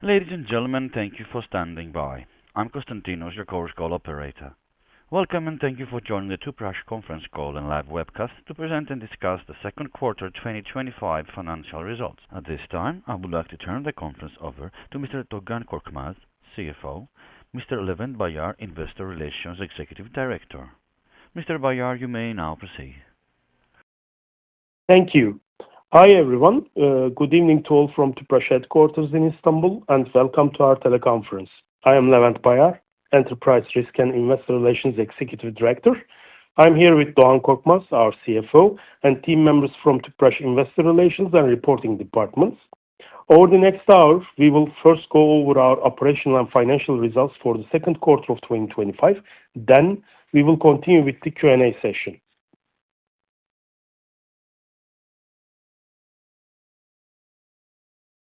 Ladies and gentlemen, thank you for standing by. I'm Constantinos, your call operator. Welcome and thank you for joining the Tüpraş conference call and live webcast to present and discuss the second quarter 2025 financial results. At this time, I would like to turn the conference over to Mr. Doğan Korkmaz, CFO, and Mr. Levent Bayar, Investor Relations Executive Director. Mr. Bayar, you may now proceed. Thank you. Hi everyone, good evening to all from Tüpraş headquarters in Istanbul and welcome to our teleconference. I am Levent Bayar, Enterprise Risk and Investor Relations Executive Director. I'm here with Doğan Korkmaz, our CFO, and team members from Tüpraş Investor Relations and Reporting Departments. Over the next hour, we will first go over our operational and financial results for the second quarter of 2025. We will continue with the Q&A session.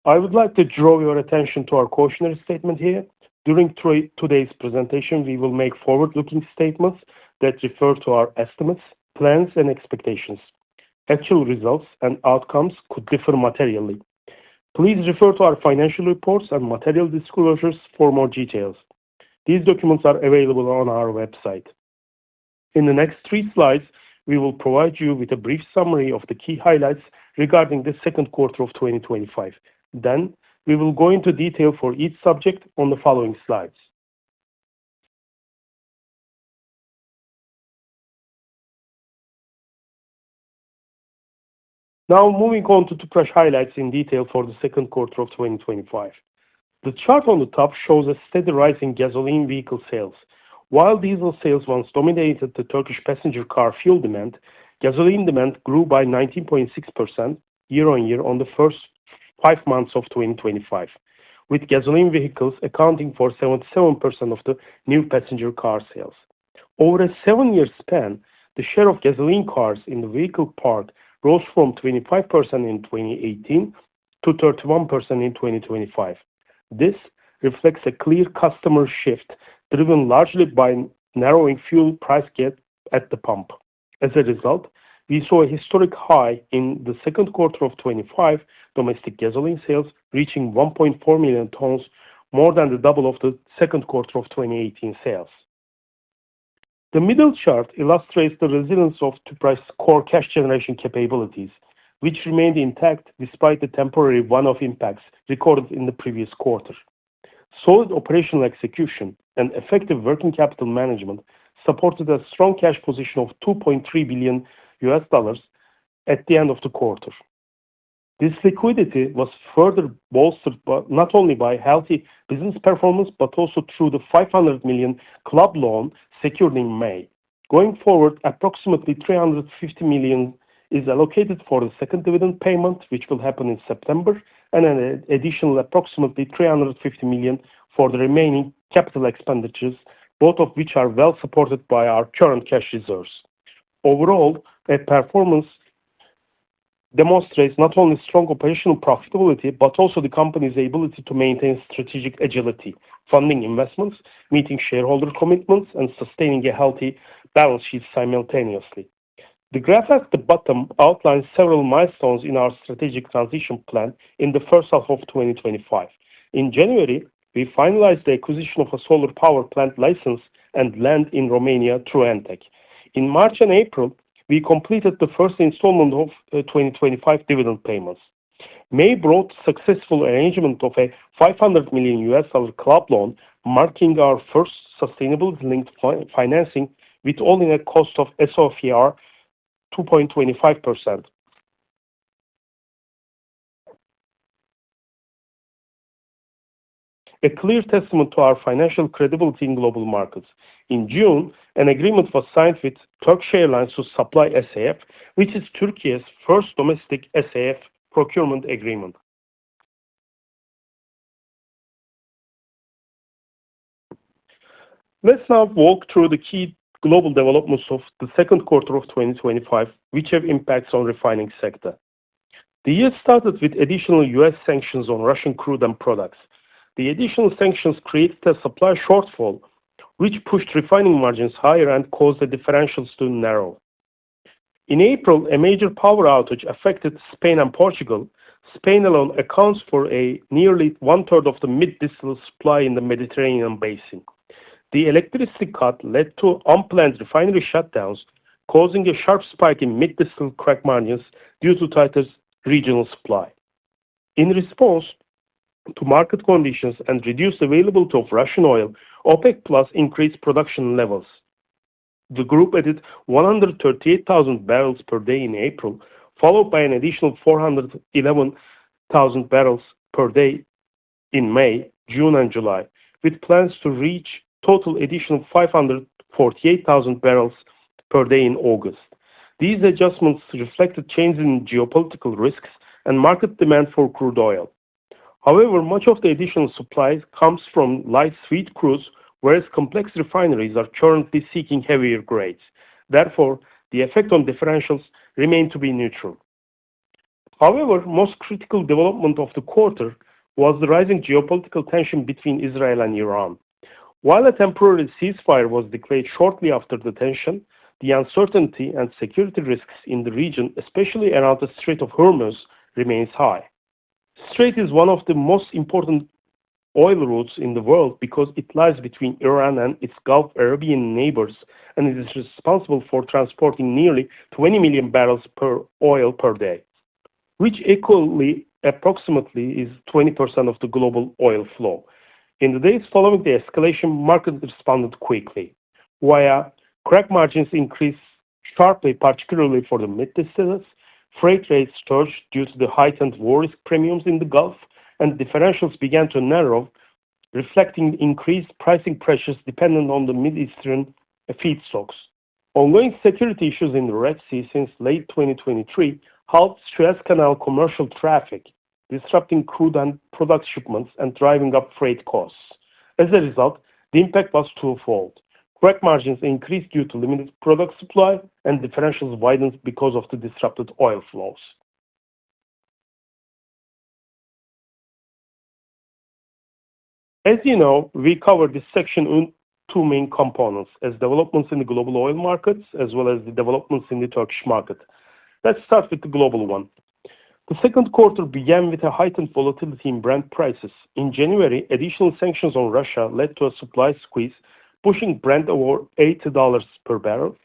I would like to draw your attention to our cautionary statement here. During today's presentation, we will make forward-looking statements that refer to our estimates, plans, and expectations. Actual results and outcomes could differ materially. Please refer to our financial reports and material disclosures for more details. These documents are available on our website. In the next three slides, we will provide you with a brief summary of the key highlights regarding the second quarter of 2025. We will go into detail for each subject on the following slides. Now, moving on to Tüpraş highlights in detail for the second quarter of 2025. The chart on the top shows a steady rise in gasoline vehicle sales. While diesel sales once dominated the Turkish passenger car fuel demand, gasoline demand grew by 19.6% year-on-year in the first five months of 2025, with gasoline vehicles accounting for 77% of the new passenger car sales. Over a seven-year span, the share of gasoline cars in the vehicle park rose from 25% in 2018 to 31% in 2025. This reflects a clear customer shift driven largely by narrowing fuel price gaps at the pump. As a result, we saw a historic high in the second quarter of 2025, domestic gasoline sales reaching 1.4 million tons, more than double the second quarter of 2018 sales. The middle chart illustrates the resilience of Tüpraş's core cash generation capabilities, which remained intact despite the temporary one-off impacts recorded in the previous quarter. Solid operational execution and effective working capital management supported a strong cash position of $2.3 billion at the end of the quarter. This liquidity was further bolstered not only by healthy business performance but also through the $500 million club loan secured in May. Going forward, approximately $350 million is allocated for the second dividend payment, which will happen in September, and an additional approximately $350 million for the remaining capital expenditures, both of which are well supported by our current cash reserves. Overall, our performance demonstrates not only strong operational profitability but also the company's ability to maintain strategic agility, funding investments, meeting shareholder commitments, and sustaining a healthy balance sheet simultaneously. The graph at the bottom outlines several milestones in our strategic transition plan in the first half of 2025. In January, we finalized the acquisition of a solar power plant license and land in Romania through Antech. In March and April, we completed the first installment of 2025 dividend payments. May brought the successful arrangement of a $500 million club loan, marking our first sustainability-linked financing with only a cost of SOFR 2.25%. A clear testament to our financial credibility in global markets. In June, an agreement was signed with Turkish Airlines to supply SAF, which is Turkey's first domestic SAF procurement agreement. Let's now walk through the key global developments of the second quarter of 2025, which have impacts on the refining sector. The year started with additional U.S. sanctions on Russian crude and products. The additional sanctions created a supply shortfall, which pushed refining margins higher and caused the differentials to narrow. In April, a major power outage affected Spain and Portugal. Spain alone accounts for nearly 1/3 of the mid-distillates supply in the Mediterranean Basin. The electricity cut led to unplanned refinery shutdowns, causing a sharp spike in mid-distillate crack margins due to tighter regional supply. In response to market conditions and reduced availability of Russian oil, OPEC+ increased production levels. The group added 138,000 bbl per day in April, followed by an additional 411,000 bbl per day in May, June, and July, with plans to reach a total additional 548,000 bbl per day in August. These adjustments reflected changes in geopolitical risks and market demand for crude oil. However, much of the additional supply comes from light sweet crude, whereas complex refineries are currently seeking heavier grades. Therefore, the effect on differentials remains to be neutral. However, the most critical development of the quarter was the rising geopolitical tension between Israel and Iran. While a temporary ceasefire was declared shortly after the tension, the uncertainty and security risks in the region, especially around the Strait of Hormuz, remain high. The Strait is one of the most important oil routes in the world because it lies between Iran and its Gulf Arabian neighbors, and it is responsible for transporting nearly 20 million bbl of oil per day, which equally, approximately, is 20% of the global oil flow. In the days following the escalation, markets responded quickly. While crack margins increased sharply, particularly for the mid-distillers, freight rates surged due to the heightened war risk premiums in the Gulf, and differentials began to narrow, reflecting increased pricing pressures dependent on the mid-Eastern feedstocks. Ongoing security issues in the Red Sea since late 2023 helped Suez Canal commercial traffic, disrupting crude and product shipments and driving up freight costs. As a result, the impact was twofold: crack margins increased due to limited product supply, and differentials widened because of the disrupted oil flows. As you know, we cover this section in two main components: developments in the global oil markets, as well as the developments in the Turkish market. Let's start with the global one. The second quarter began with a heightened volatility in Brent prices. In January, additional sanctions on Russia led to a supply squeeze, pushing Brent toward $80 per barrel.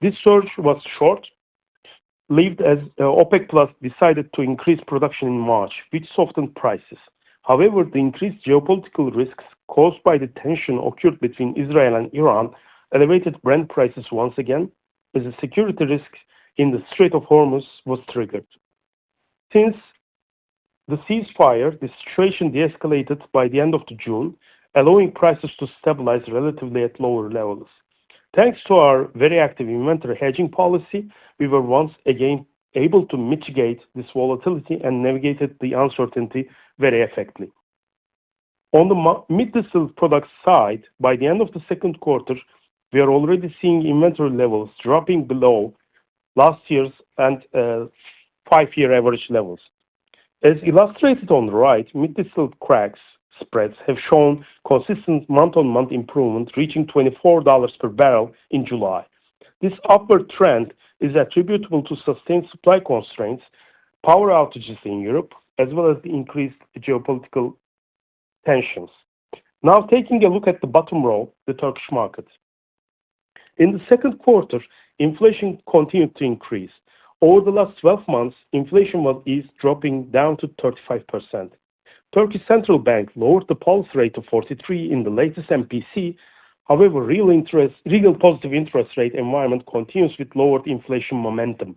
This surge was short-lived, as OPEC+ decided to increase production in March, which softened prices. However, the increased geopolitical risks caused by the tension occurred between Israel and Iran elevated Brent prices once again, as the security risk in the Strait of Hormuz was triggered. Since the ceasefire, the situation de-escalated by the end of June, allowing prices to stabilize relatively at lower levels. Thanks to our very active inventory hedging policy, we were once again able to mitigate this volatility and navigated the uncertainty very effectively on the mid-distilled products side. By the end of the second quarter, we are already seeing inventory levels dropping below last year's five-year average levels. As illustrated on the right, mid-distilled crack spreads have shown consistent month-on-month improvement, reaching $24 per barrel in July. This upward trend is attributable to sustained supply constraints, power outages in Europe, as well as the increased geopolitical tensions. Now, taking a look at the bottom row, the Turkish market. In the second quarter, inflation continued to increase. Over the last 12 months, inflation was eased, dropping down to 35%. The Turkish Central Bank lowered the policy rate to 43% in the latest MPC. However, the real positive interest rate environment continues with lowered inflation momentum.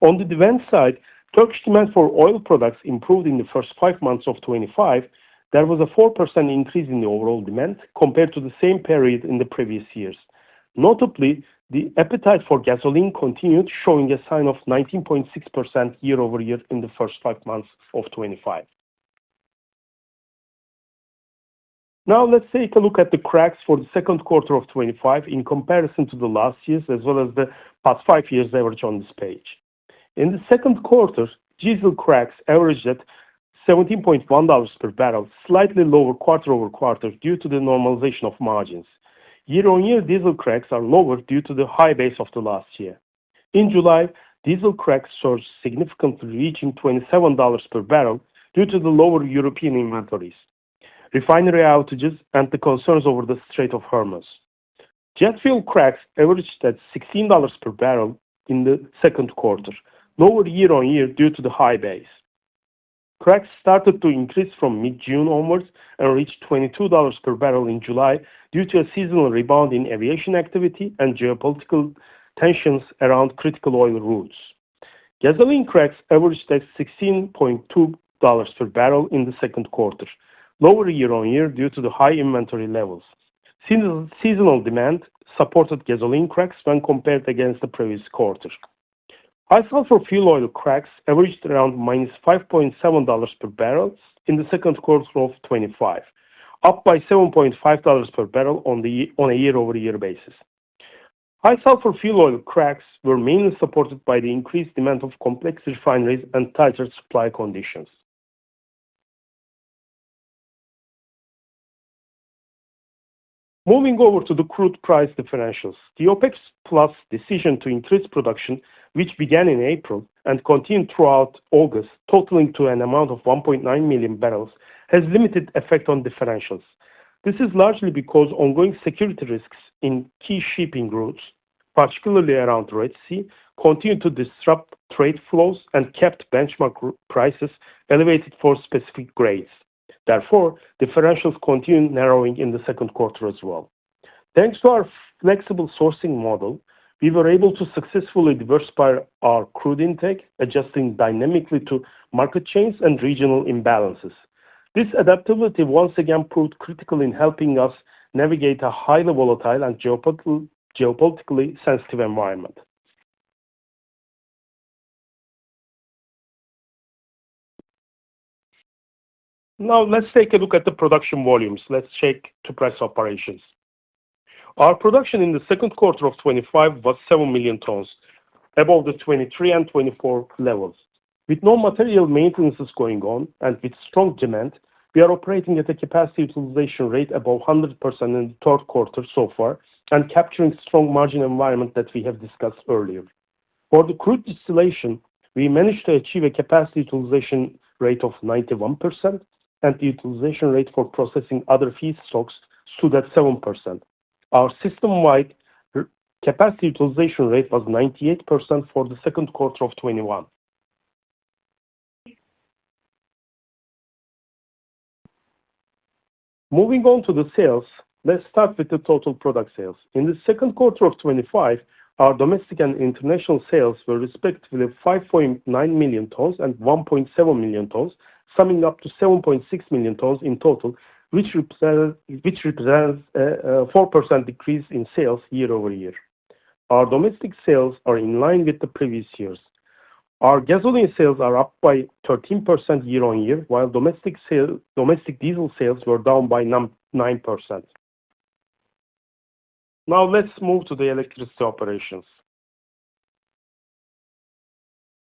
On the demand side, Turkish demand for oil products improved in the first five months of 2025. There was a 4% increase in the overall demand compared to the same period in the previous years. Notably, the appetite for gasoline continued, showing a sign of 19.6% year-over-year in the first five months of 2025. Now, let's take a look at the cracks for the second quarter of 2025 in comparison to last year's, as well as the past five years' average on this page. In the second quarter, diesel cracks averaged at $17.1 per barrel, slightly lower quarter-over-quarter due to the normalization of margins. Year-on-year diesel cracks are lower due to the high base of last year. In July, diesel cracks surged significantly, reaching $27 per barrel due to the lower European inventories, refinery outages, and the concerns over the Strait of Hormuz. Jet fuel cracks averaged at $16 per barrel in the second quarter, lower year-on-year due to the high base. Cracks started to increase from mid-June onwards and reached $22 per barrel in July due to a seasonal rebound in aviation activity and geopolitical tensions around critical oil routes. Gasoline cracks averaged at $16.2 per barrel in the second quarter, lower year-on-year due to the high inventory levels. Seasonal demand supported gasoline cracks when compared against the previous quarter. High sulfur fuel oil cracks averaged around -$5.7 per barrel in the second quarter of 2025, up by $7.5 per barrel on a year-over-year basis. High sulfur fuel oil cracks were mainly supported by the increased demand of complex refineries and tighter supply conditions. Moving over to the crude price differentials, the OPEC+ decision to increase production, which began in April and continued throughout August, totaling to an amount of 1.9 million bbl, has limited effect on differentials. This is largely because ongoing security risks in key shipping routes, particularly around the Red Sea, continue to disrupt trade flows and kept benchmark prices elevated for specific grades. Therefore, differentials continue narrowing in the second quarter as well. Thanks to our flexible sourcing model, we were able to successfully diversify our crude intake, adjusting dynamically to market chains and regional imbalances. This adaptability once again proved critical in helping us navigate a highly volatile and geopolitically sensitive environment. Now, let's take a look at the production volumes. Let's check Tüpraş operations. Our production in the second quarter of 2025 was 7 million tons, above the 2023 and 2024 levels. With no material maintenances going on and with strong demand, we are operating at a capacity utilization rate above 100% in the third quarter so far and capturing the strong margin environment that we have discussed earlier. For the crude distillation, we managed to achieve a capacity utilization rate of 91% and the utilization rate for processing other feedstocks stood at 7%. Our system-wide capacity utilization rate was 98% for the second quarter of 2025. Moving on to the sales, let's start with the total product sales. In the second quarter of 2025, our domestic and international sales were respectively 5.9 million tons and 1.7 million tons, summing up to 7.6 million tons in total, which represents a 4% decrease in sales year-over-year. Our domestic sales are in line with the previous years. Our gasoline sales are up by 13% year-on-year, while domestic diesel sales were down by 9%. Now, let's move to the electricity operations.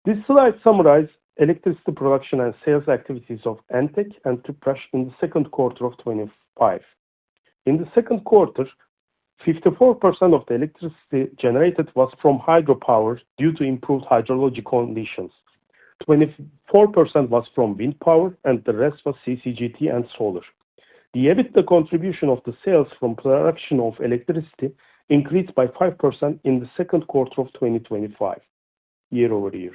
This slide summarizes electricity production and sales activities of Entek and Tüpraş in the second quarter of 2025. In the second quarter, 54% of the electricity generated was from hydropower due to improved hydrological conditions. 24% was from wind power, and the rest was CCGT and solar. The EBITDA contribution of the sales from production of electricity increased by 5% in the second quarter of 2025, year-over-year.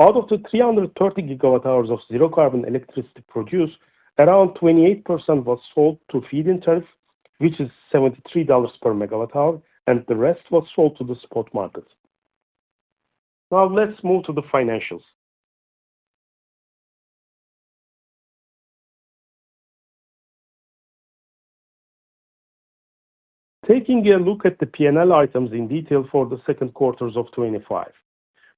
Out of the 330 GWh of zero-carbon electricity produced, around 28% was sold to feed inventories, which is $73 per megawatt-hour, and the rest was sold to the spot market. Now, let's move to the financials. Taking a look at the P&L items in detail for the second quarter of 2025.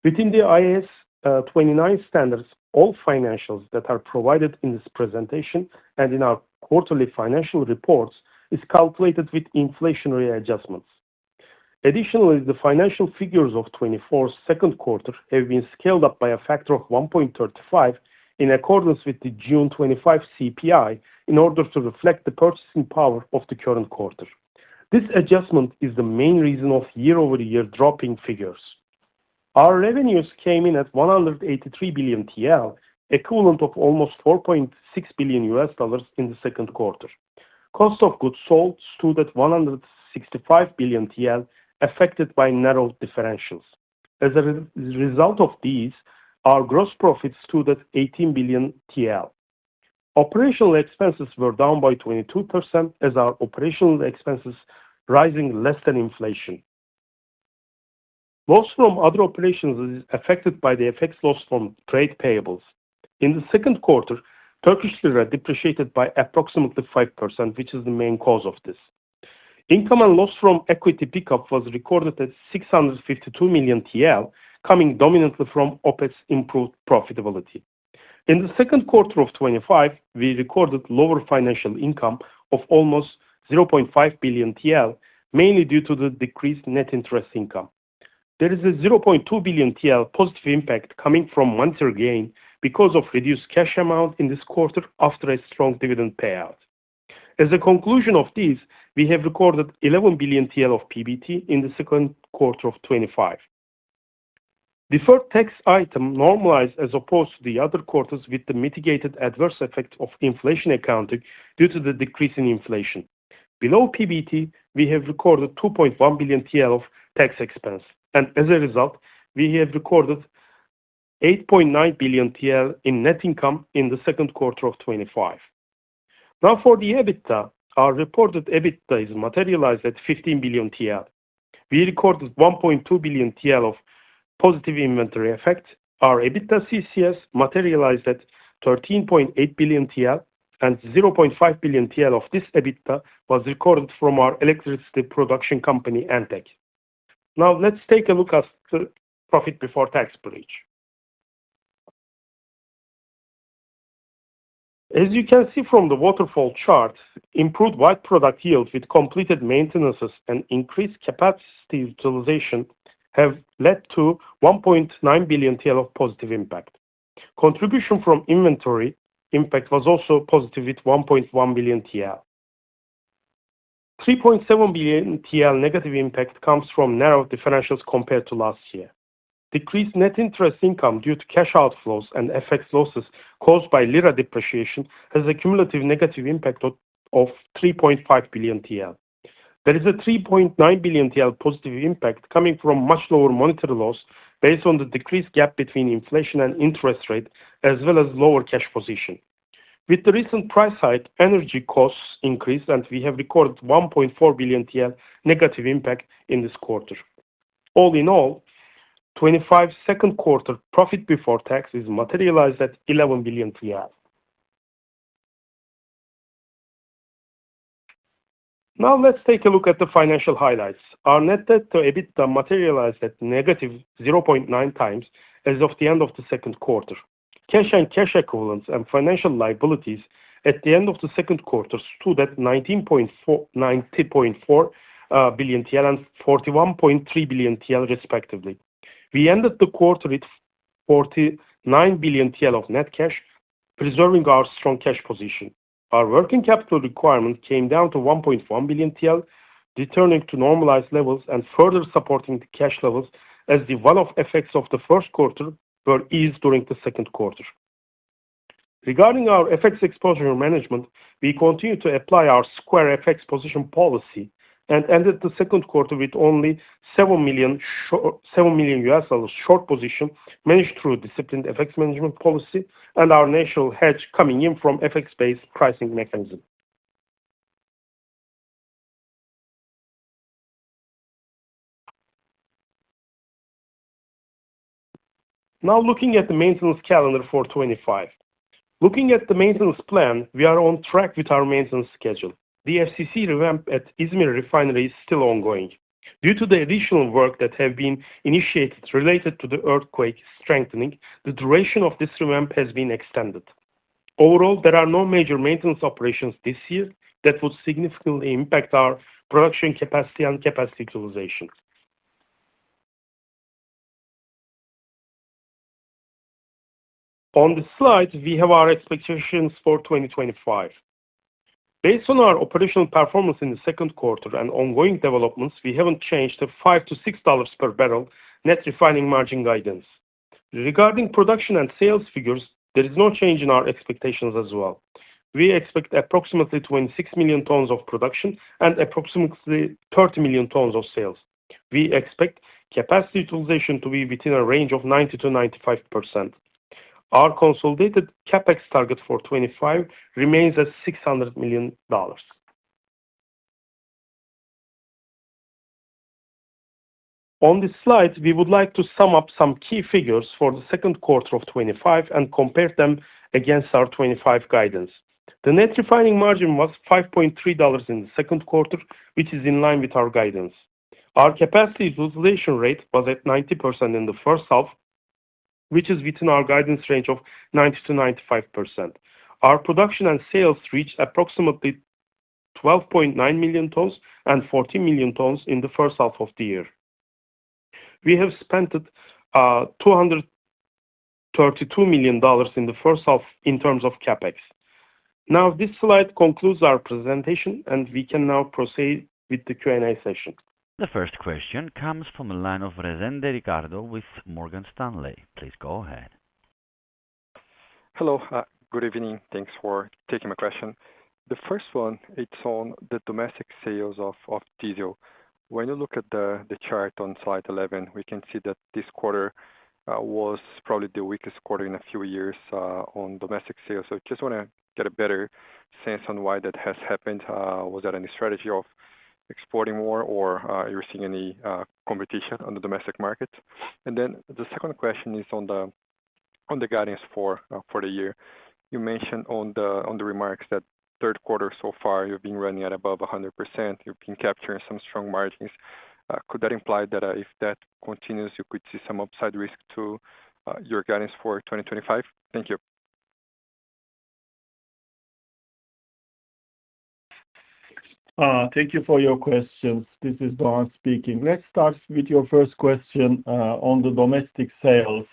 Within the IAS 29 standards, all financials that are provided in this presentation and in our quarterly financial reports are calculated with inflationary adjustments. Additionally, the financial figures of 2024's second quarter have been scaled up by a factor of 1.35 in accordance with the June 2025 CPI in order to reflect the purchasing power of the current quarter. This adjustment is the main reason of year-over-year dropping figures. Our revenues came in at 183 billion TL, equivalent of almost $4.6 billion in the second quarter. Cost of goods sold stood at 165 billion TL, affected by narrowed differentials. As a result of these, our gross profit stood at 18 billion TL. Operational expenses were down by 22%, as our operational expenses rose less than inflation. Loss from other operations is affected by the effects lost from trade payables. In the second quarter, Turkish lira depreciated by approximately 5%, which is the main cause of this. Income and loss from equity pickup was recorded at 652 million TL, coming dominantly from OpEx improved profitability. In the second quarter of 2025, we recorded lower financial income of almost 0.5 billion TL, mainly due to the decreased net interest income. There is a 0.2 billion TL positive impact coming from monetary gain because of the reduced cash amount in this quarter after a strong dividend payout. As a conclusion of these, we have recorded 11 billion TL of PBT in the second quarter of 2025. The third tax item normalized as opposed to the other quarters with the mitigated adverse effects of inflation accounting due to the decrease in inflation. Below PBT, we have recorded 2.1 billion TL of tax expense, and as a result, we have recorded 8.9 billion TL in net income in the second quarter of 2025. Now, for the EBITDA, our reported EBITDA is materialized at 15 billion TL. We recorded 1.2 billion TL of positive inventory effects. Our EBITDA CCS materialized at 13.8 billion TL, and 0.5 billion TL of this EBITDA was recorded from our electricity production company, Antech. Now, let's take a look at the profit before tax breach. As you can see from the waterfall chart, improved wide product yield with completed maintenances and increased capacity utilization have led to 1.9 billion TL of positive impact. Contribution from inventory impact was also positive with 1.1 billion TL. 3.7 billion TL negative impact comes from narrowed differentials compared to last year. Decreased net interest income due to cash outflows and effects losses caused by lira depreciation has a cumulative negative impact of 3.5 billion TL. There is a 3.9 billion TL positive impact coming from much lower monetary loss based on the decreased gap between inflation and interest rate, as well as lower cash position. With the recent price hike, energy costs increased, and we have recorded 1.4 billion TL negative impact in this quarter. All in all, 2025's second quarter profit before tax is materialized at 11 billion. Now, let's take a look at the financial highlights. Our net debt/EBITDA materialized at -0.9x as of the end of the second quarter. Cash and cash equivalents and financial liabilities at the end of the second quarter stood at 19.4 billion TL and 41.3 billion TL, respectively. We ended the quarter with 49 billion TL of net cash, preserving our strong cash position. Our working capital requirement came down to 1.1 billion TL, returning to normalized levels and further supporting the cash levels as the one-off effects of the first quarter were eased during the second quarter. Regarding our FX exposure management, we continue to apply our square FX position policy and ended the second quarter with only $7 million short position managed through a disciplined FX management policy and our natural hedge coming in from FX-based pricing mechanism. Now, looking at the maintenance calendar for 2025. Looking at the maintenance plan, we are on track with our maintenance schedule. The FCC revamp at İzmir Refinery is still ongoing. Due to the additional work that has been initiated related to the earthquake strengthening, the duration of this revamp has been extended. Overall, there are no major maintenance operations this year that would significantly impact our production capacity and capacity utilization. On this slide, we have our expectations for 2025. Based on our operational performance in the second quarter and ongoing developments, we haven't changed the $5 per barrel-$6 per barrel net refining margin guidance. Regarding production and sales figures, there is no change in our expectations as well. We expect approximately 26 million tons of production and approximately 30 million tons of sales. We expect capacity utilization to be within a range of 90%-95%. Our consolidated CapEx target for 2025 remains at $600 million. On this slide, we would like to sum up some key figures for the second quarter of 2025 and compare them against our 2025 guidance. The net refining margin was $5.3 in the second quarter, which is in line with our guidance. Our capacity utilization rate was at 90% in the first half, which is within our guidance range of 90%-95%. Our production and sales reached approximately 12.9 million tons and 14 million tons in the first half of the year. We have spent $232 million in the first half in terms of CapEx. This slide concludes our presentation, and we can now proceed with the Q&A session. The first question comes from the line of Rezende Ricardo with Morgan Stanley. Please go ahead. Hello. Good evening. Thanks for taking my question. The first one, it's on the domestic sales of diesel. When you look at the chart on slide 11, we can see that this quarter was probably the weakest quarter in a few years on domestic sales. I just want to get a better sense on why that has happened. Was there any strategy of exporting more, or are you seeing any competition on the domestic markets? The second question is on the guidance for the year. You mentioned on the remarks that the third quarter so far you've been running at above 100%. You've been capturing some strong margins. Could that imply that if that continues, you could see some upside risk to your guidance for 2025? Thank you. Thank you for your questions. This is Doğan speaking. Let's start with your first question on the domestic sales.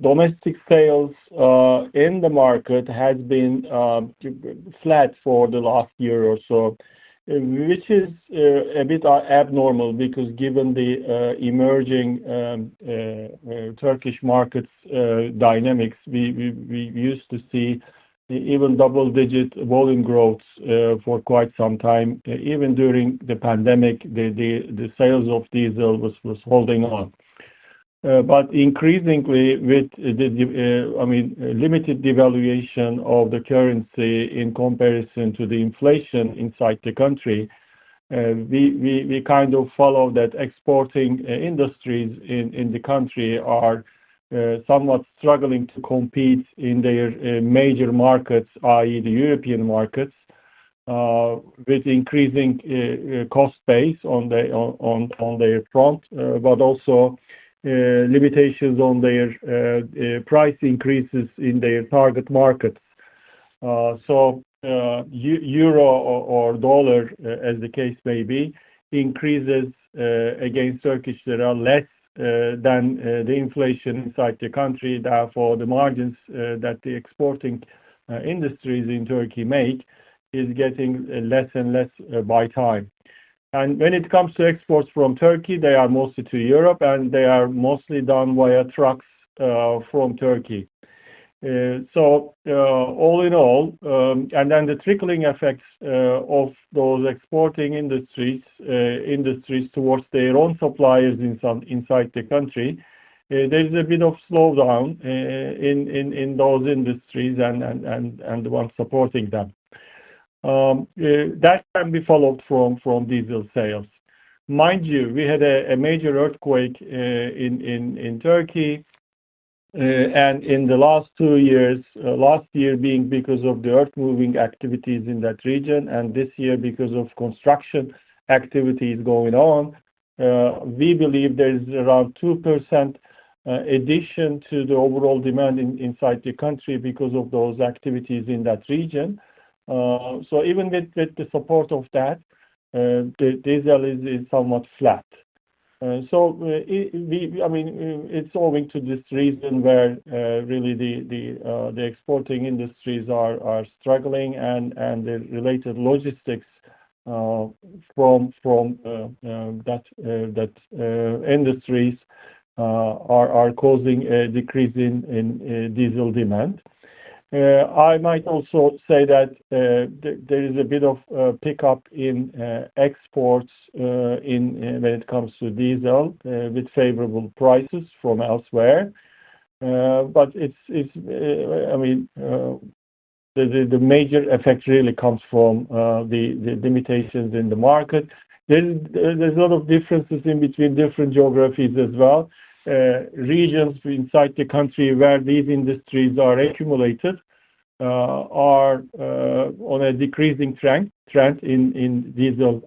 Domestic sales in the market have been flat for the last year or so, which is a bit abnormal because given the emerging Turkish market dynamics, we used to see even double-digit volume growth for quite some time. Even during the pandemic, the sales of diesel were holding on. Increasingly, with the limited devaluation of the currency in comparison to the inflation inside the country, we kind of follow that exporting industries in the country are somewhat struggling to compete in their major markets, i.e., the European markets, with increasing cost base on their front, but also limitations on their price increases in their target markets. Euro or dollar, as the case may be, increases against Turkish lira less than the inflation inside the country. Therefore, the margins that the exporting industries in Turkey make are getting less and less by time. When it comes to exports from Turkey, they are mostly to Europe, and they are mostly done via trucks from Turkey. All in all, the trickling effects of those exporting industries towards their own suppliers inside the country, there's a bit of slowdown in those industries and the ones supporting them. That can be followed from diesel sales. Mind you, we had a major earthquake in Turkey. In the last two years, last year being because of the earth-moving activities in that region, and this year because of construction activities going on, we believe there's around 2% addition to the overall demand inside the country because of those activities in that region. Even with the support of that, diesel is somewhat flat. It's owing to this reason where really the exporting industries are struggling, and the related logistics from that industries are causing a decrease in diesel demand. I might also say that there is a bit of pickup in exports when it comes to diesel with favorable prices from elsewhere. The major effect really comes from the limitations in the market. There's a lot of differences in between different geographies as well. Regions inside the country where these industries are accumulated are on a decreasing trend in diesel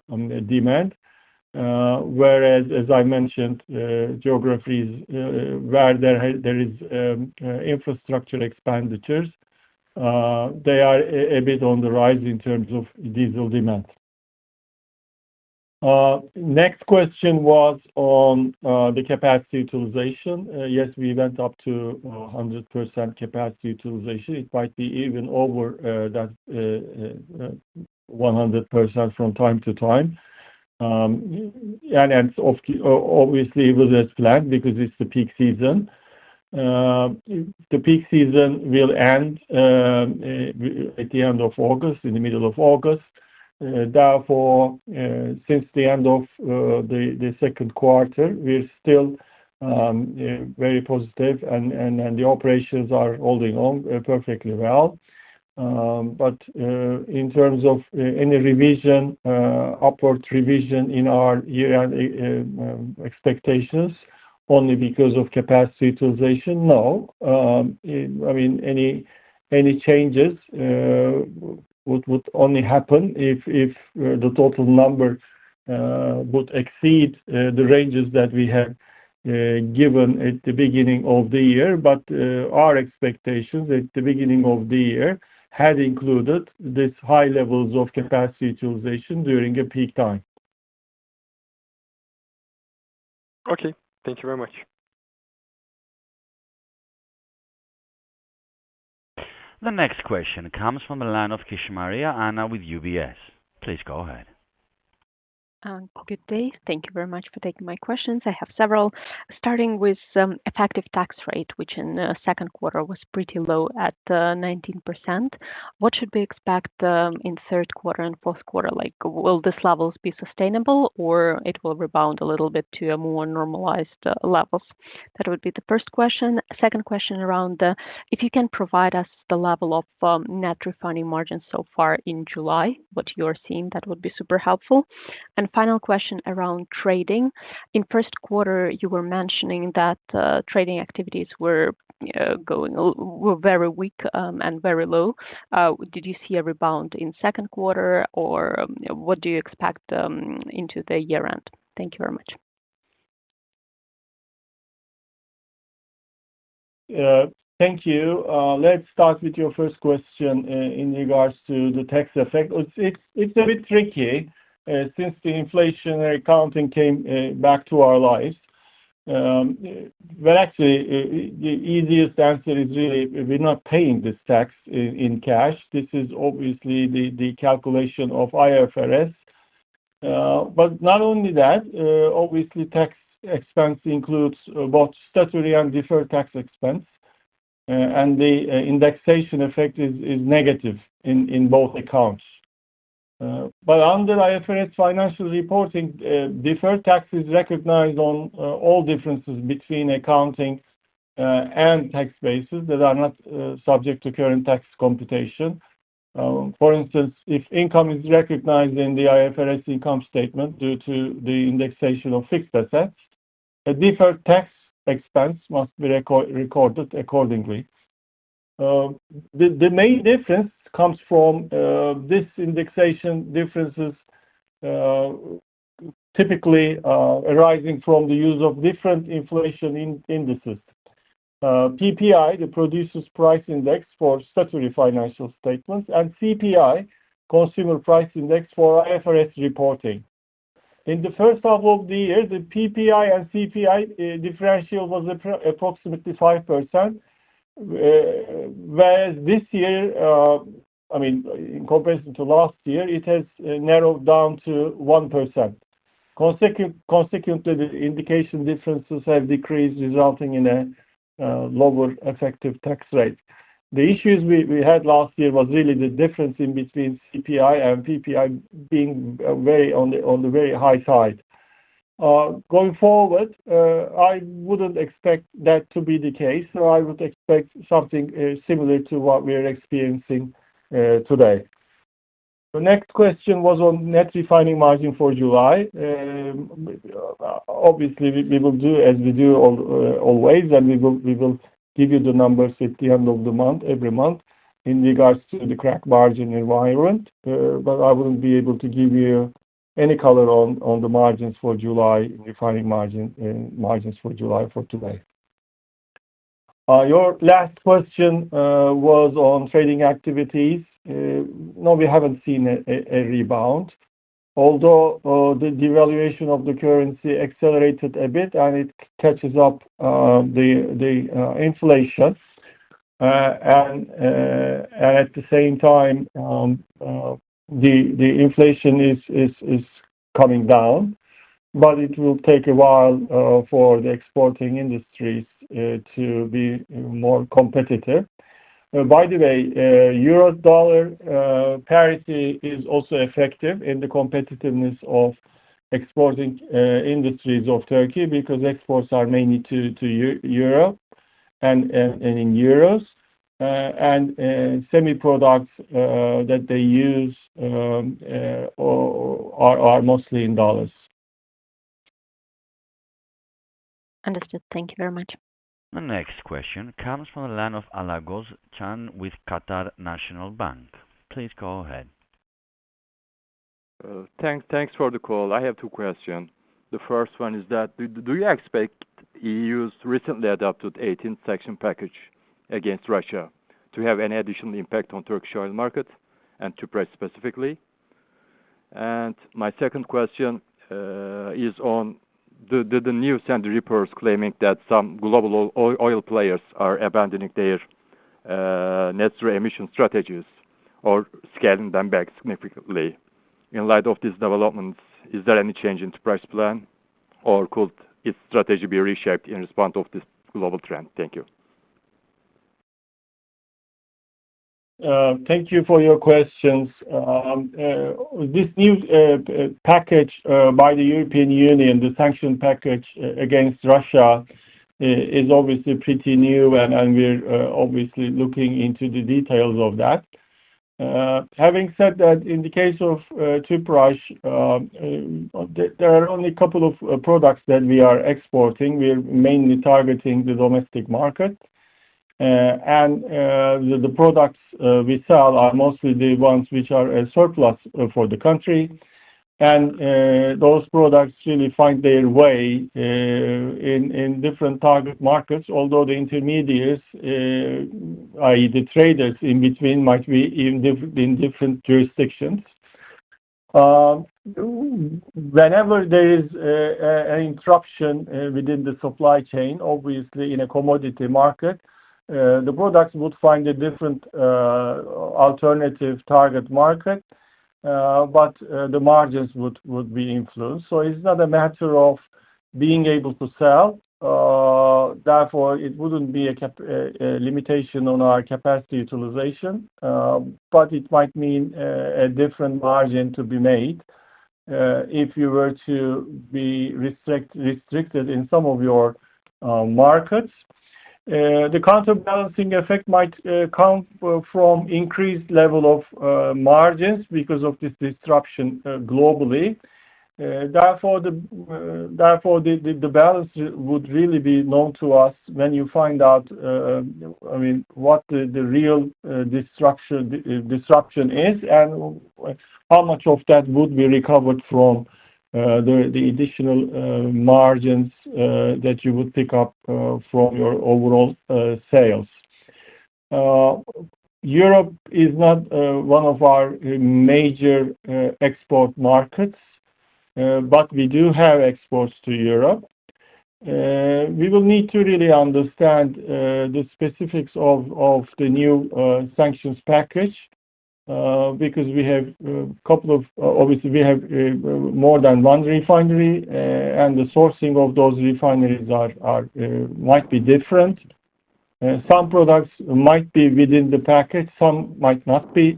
demand. Whereas, as I mentioned, geographies where there are infrastructure expenditures, they are a bit on the rise in terms of diesel demand. Next question was on the capacity utilization. Yes, we went up to 100% capacity utilization. It might be even over that 100% from time to time. Obviously, it was as planned because it's the peak season. The peak season will end at the end of August, in the middle of August. Therefore, since the end of the second quarter, we're still very positive, and the operations are holding on perfectly well. In terms of any revision, upward revision in our year-end expectations only because of capacity utilization, no. Any changes would only happen if the total number would exceed the ranges that we have given at the beginning of the year. Our expectations at the beginning of the year had included these high levels of capacity utilization during a peak time. Okay, thank you very much. The next question comes from the line of Kishmariya Anna with UBS. Please go ahead. Good day. Thank you very much for taking my questions. I have several. Starting with the effective tax rate, which in the second quarter was pretty low at 19%. What should we expect in the third quarter and fourth quarter? Like, will these levels be sustainable, or will it rebound a little bit to a more normalized level? That would be the first question. Second question around if you can provide us the level of net refining margins so far in July, what you are seeing, that would be super helpful. Final question around trading. In the first quarter, you were mentioning that trading activities were very weak and very low. Did you see a rebound in the second quarter, or what do you expect into the year-end? Thank you very much. Thank you. Let's start with your first question in regards to the tax effect. It's a bit tricky since the inflationary accounting came back to our lives. Actually, the easiest answer is really we're not paying this tax in cash. This is obviously the calculation of IFRS. Not only that, obviously, tax expense includes both statutory and deferred tax expense, and the indexation effect is negative in both accounts. Under IFRS financial reporting, deferred tax is recognized on all differences between accounting and tax bases that are not subject to current tax computation. For instance, if income is recognized in the IFRS income statement due to the indexation of fixed assets, a deferred tax expense must be recorded accordingly. The main difference comes from this indexation differences typically arising from the use of different inflation indices. PPI, the Producers Price Index for statutory financial statements, and CPI, Consumer Price Index for IFRS reporting. In the first half of the year, the PPI and CPI differential was approximately 5%, whereas this year, in comparison to last year, it has narrowed down to 1%. Consequently, the indexation differences have decreased, resulting in a lower effective tax rate. The issues we had last year were really the difference in between CPI and PPI being on the very high side. Going forward, I wouldn't expect that to be the case, so I would expect something similar to what we are experiencing today. The next question was on net refining margin for July. Obviously, we will do as we do always, and we will give you the numbers at the end of the month, every month, in regards to the crack margin environment. I wouldn't be able to give you any color on the margins for July, in refining margins for July for today. Your last question was on trading activities. No, we haven't seen a rebound, although the devaluation of the currency accelerated a bit, and it catches up the inflation. At the same time, the inflation is coming down, but it will take a while for the exporting industries to be more competitive. By the way, Euro/dollar parity is also effective in the competitiveness of exporting industries of Turkey because exports are mainly to Europe and in euros, and semi-products that they use are mostly in dollars. Understood. Thank you very much. The next question comes from the line of Alagöz Can with Qatar National Bank. Please go ahead. Thanks for the call. I have two questions. The first one is that do you expect the EU's recently adopted 18th sanction package against Russia to have any additional impact on the Turkish oil market and Tüpraş specifically? My second question is on the news and the reports claiming that some global oil players are abandoning their net zero emission strategies or scaling them back significantly. In light of these developments, is there any change in Tüpraş's plan, or could its strategy be reshaped in response to this global trend? Thank you. Thank you for your questions. This new package by the European Union, the sanction package against Russia, is obviously pretty new, and we're obviously looking into the details of that. Having said that, in the case of Tüpraş, there are only a couple of products that we are exporting. We're mainly targeting the domestic market. The products we sell are mostly the ones which are a surplus for the country. Those products really find their way in different target markets, although the intermediaries, i.e., the traders in between, might be in different jurisdictions. Whenever there is an interruption within the supply chain, obviously in a commodity market, the products would find a different alternative target market, but the margins would be influenced. It's not a matter of being able to sell. Therefore, it wouldn't be a limitation on our capacity utilization, but it might mean a different margin to be made if you were to be restricted in some of your markets. The counterbalancing effect might come from an increased level of margins because of this disruption globally. Therefore, the balance would really be known to us when you find out what the real disruption is and how much of that would be recovered from the additional margins that you would pick up from your overall sales. Europe is not one of our major export markets, but we do have exports to Europe. We will need to really understand the specifics of the new sanctions package because we have more than one refinery, and the sourcing of those refineries might be different. Some products might be within the package. Some might not be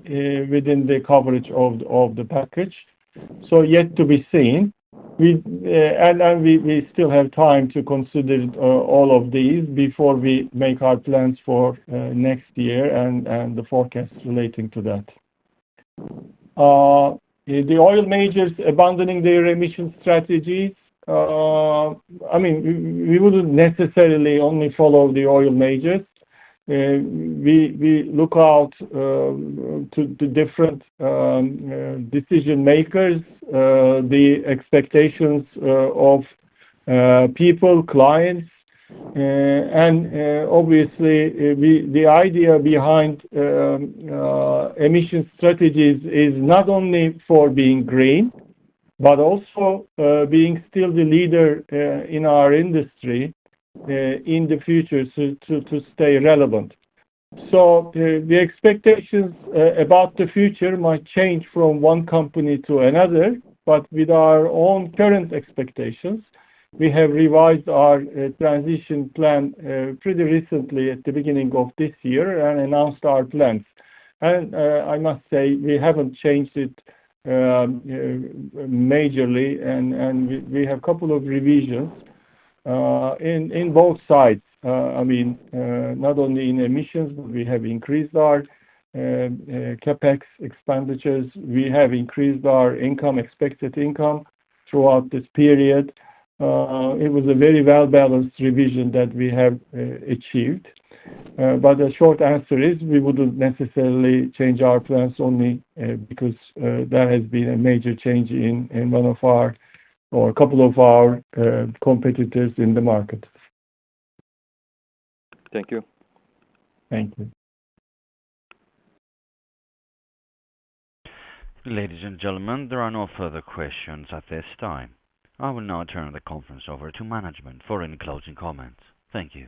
within the coverage of the package. Yet to be seen. We still have time to consider all of these before we make our plans for next year and the forecast relating to that. The oil majors abandoning their emission strategies. We wouldn't necessarily only follow the oil majors. We look out to the different decision makers, the expectations of people, clients. Obviously, the idea behind emission strategies is not only for being green but also being still the leader in our industry in the future to stay relevant. The expectations about the future might change from one company to another. With our own current expectations, we have revised our transition plan pretty recently at the beginning of this year and announced our plans. I must say we haven't changed it majorly, and we have a couple of revisions in both sides. Not only in emissions, but we have increased our CapEx expenditures. We have increased our expected income throughout this period. It was a very well-balanced revision that we have achieved. The short answer is we wouldn't necessarily change our plans only because that has been a major change in one of our or a couple of our competitors in the market. Thank you. Thank you. Ladies and gentlemen, there are no further questions at this time. I will now turn the conference over to management for any closing comments. Thank you.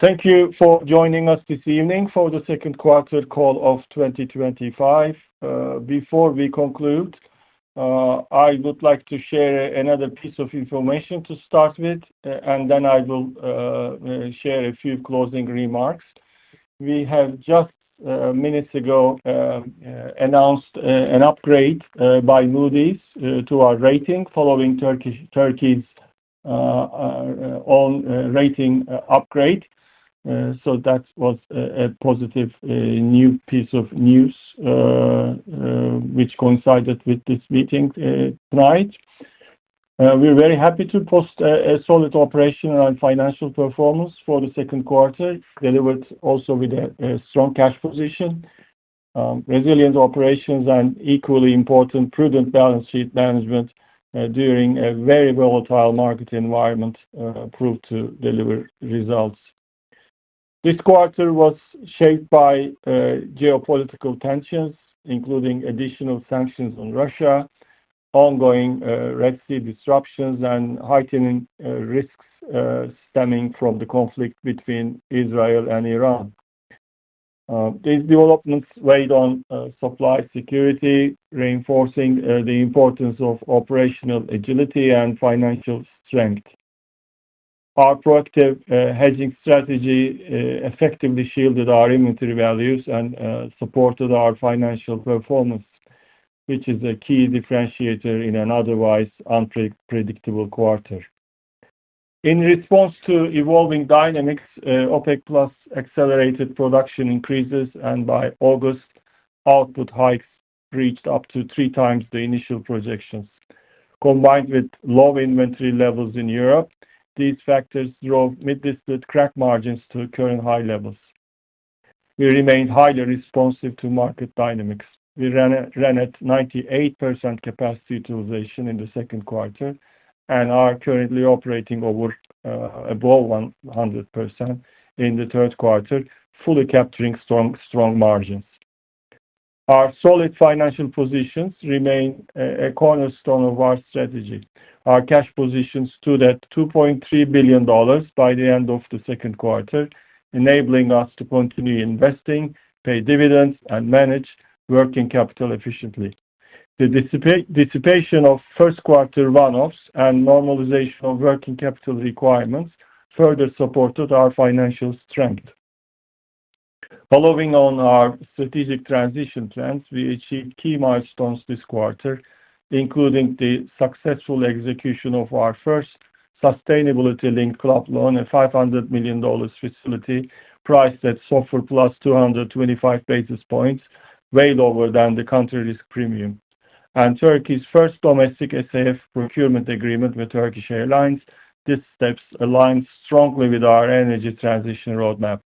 Thank you for joining us this evening for the second quarter call of 2025. Before we conclude, I would like to share another piece of information to start with, and then I will share a few closing remarks. We have just minutes ago announced an upgrade by Moody's to our rating following Turkey's own rating upgrade. That was a positive new piece of news which coincided with this meeting tonight. We're very happy to post a solid operation and financial performance for the second quarter, delivered also with a strong cash position, resilient operations, and equally important, prudent balance sheet management during a very volatile market environment proved to deliver results. This quarter was shaped by geopolitical tensions, including additional sanctions on Russia, ongoing Red Sea disruptions, and heightening risks stemming from the conflict between Israel and Iran. These developments weighed on supply security, reinforcing the importance of operational agility and financial strength. Our proactive hedging strategy effectively shielded our inventory values and supported our financial performance, which is a key differentiator in an otherwise unpredictable quarter. In response to evolving dynamics, OPEC+ accelerated production increases, and by August, output hikes reached up to three times the initial projections. Combined with low inventory levels in Europe, these factors drove mid-distillate crack margins to current high levels. We remained highly responsive to market dynamics. We ran at 98% capacity utilization in the second quarter and are currently operating above 100% in the third quarter, fully capturing strong margins. Our solid financial positions remain a cornerstone of our strategy. Our cash positions stood at $2.3 billion by the end of the second quarter, enabling us to continue investing, pay dividends, and manage working capital efficiently. The dissipation of first quarter runoffs and normalization of working capital requirements further supported our financial strength. Following on our strategic transition plans, we achieved key milestones this quarter, including the successful execution of our first sustainability-linked club loan, a $500 million facility priced at SOFR + 225 basis points, way lower than the country risk premium, and Turkey's first domestic SAF procurement agreement with Turkish Airlines. These steps align strongly with our energy transition roadmap.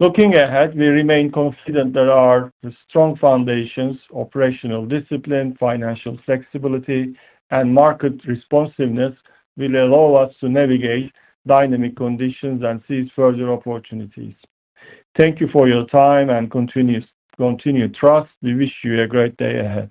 Looking ahead, we remain confident that our strong foundations, operational discipline, financial flexibility, and market responsiveness will allow us to navigate dynamic conditions and seize further opportunities. Thank you for your time and continued trust. We wish you a great day ahead.